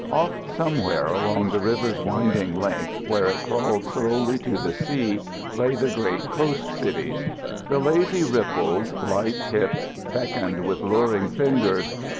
Off Somewhere along the river's winding length, where it crawled slowly to the sea, lay the great coast cities. The lazy ripples, light tipped, beckoned with luring fingers.